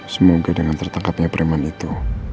semoga dengan tertangkapnya preman itu